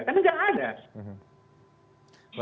kan gak ada